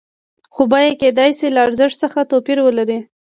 خو بیه کېدای شي له ارزښت څخه توپیر ولري